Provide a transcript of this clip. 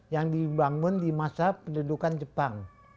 yang dibangun di masa pendudukan jepang